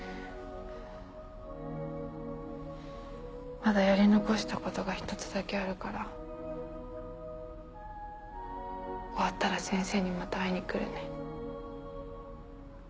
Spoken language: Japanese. まだやり残したことが１つだけあるから終わったら先生にまた会いに来るね。